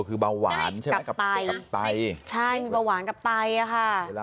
คือเบาหวานใช่ไหมกับไตกับไตใช่มีเบาหวานกับไตอ่ะค่ะ